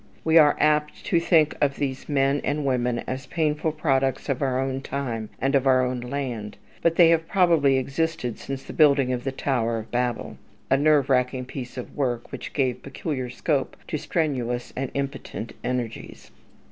We are apt to think of these men and women as painful products of our own time and of our own land; but they have probably existed since the building of the Tower of Babel, a nerve racking piece of work which gave peculiar scope to strenuous and impotent energies.